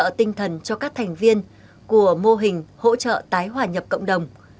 hỗ trợ tinh thần cho các thành viên của mô hình hỗ trợ tái hòa nhập cộng đồng